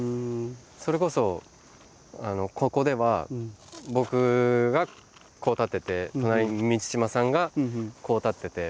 それこそここでは僕がこう立ってて隣に満島さんがこう立ってて。